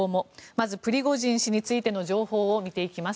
まずプリゴジン氏についての情報を見ていきます。